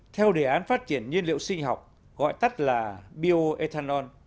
theo đề án phát triển nhiên liệu sinh học gọi tắt là bioethanol